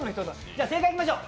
じゃあ正解いきましょう。